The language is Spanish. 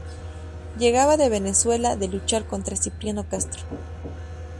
Llegaba de Venezuela, de luchar contra Cipriano Castro.